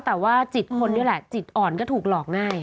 แต่ว่าจิตคนนี่แหละจิตอ่อนก็ถูกหลอกง่าย